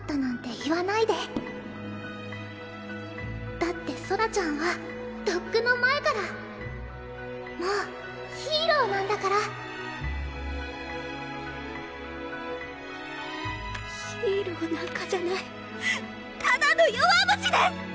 だってソラちゃんはとっくの前からヒーローなんかじゃないただの弱虫です！